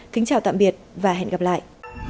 kính chào tạm biệt và hẹn gặp lại